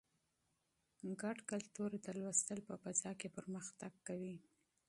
اجتماعي کلتور د مطالعې په فضاء کې پرمختګ کوي.